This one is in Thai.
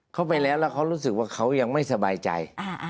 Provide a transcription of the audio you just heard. เค้าไปแล้วรู้สึกว่าเค้ายังไม่สบายใจ